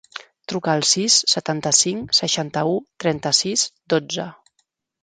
Truca al sis, setanta-cinc, seixanta-u, trenta-sis, dotze.